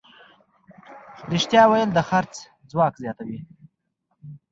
رښتیا ویل د خرڅ ځواک زیاتوي.